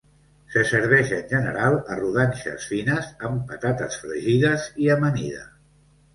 Se serveix en general a rodanxes fines amb patates fregides i amanida.